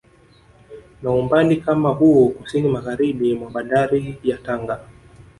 Na umbali kama huo kusini Magharibi mwa bandari ya Tanga